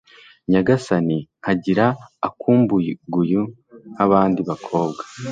Nyagasani nkagira akumbuguyu k'abandi bakobwa